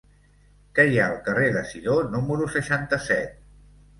Què hi ha al carrer de Sidó número seixanta-set?